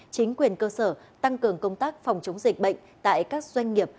chính quyền cơ sở tăng cường công tác phòng chống dịch bệnh tại các doanh nghiệp